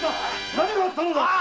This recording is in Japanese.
何があったのだ。